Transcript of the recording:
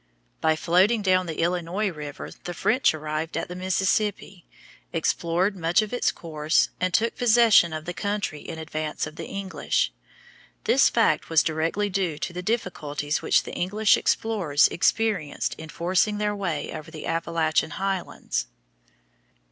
By floating down the Illinois River the French arrived at the Mississippi, explored much of its course, and took possession of the country in advance of the English. This fact was directly due to the difficulties which the English explorers experienced in forcing their way over the Appalachian highlands.